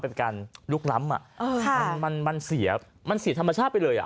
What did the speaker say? เป็นการลุกล้ำอ่ะมันเสียธรรมชาติไปเลย